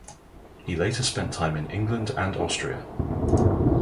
He later spent time in England and Austria.